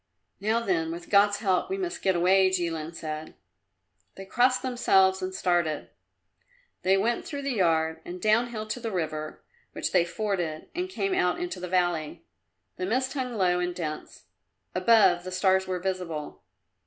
"Now then; with God's help we must get away," Jilin said. They crossed themselves and started. They went through the yard and downhill to the river which they forded and came out into the valley. The mist hung low and dense; above, the stars were visible.